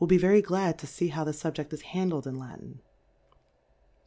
ie very glad to fee how the SuljeH is ; handled in Latin.